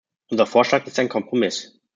Unser Vorschlag ist ein Kompromiss.